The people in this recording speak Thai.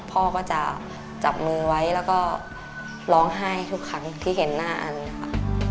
พ่อก็จะจับมือไว้แล้วก็ร้องไห้ทุกครั้งที่เห็นหน้าอันค่ะ